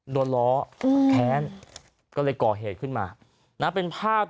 ล้อแค้นก็เลยก่อเหตุขึ้นมานะเป็นภาพ